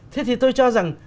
thế thì tôi cho rằng